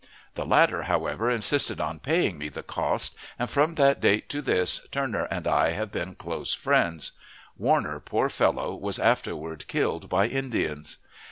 The latter, however, insisted on paying me the cost, and from that date to this Turner and I have been close friends. Warner, poor fellow, was afterward killed by Indians.